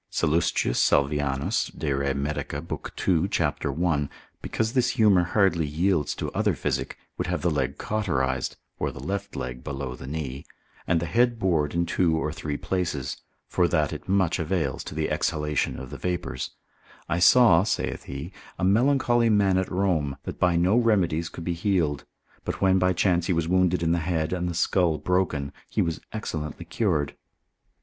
Sallus. Salvianus de re medic. lib. 2. cap. 1. because this humour hardly yields to other physic, would have the leg cauterised, or the left leg, below the knee, and the head bored in two or three places, for that it much avails to the exhalation of the vapours; I saw (saith he) a melancholy man at Rome, that by no remedies could be healed, but when by chance he was wounded in the head, and the skull broken, he was excellently cured.